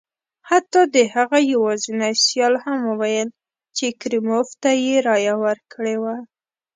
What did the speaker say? حتی د هغه یوازیني سیال هم وویل چې کریموف ته یې رایه ورکړې وه.